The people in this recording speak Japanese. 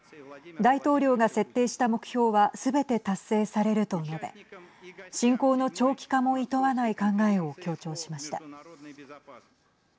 大統領が設定した目標はすべて達成されると述べ侵攻の長期化もいとわない考えを強調しました。